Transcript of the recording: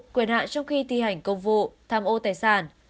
quyền hạ trong khi thi hành công vụ tham ô tài sản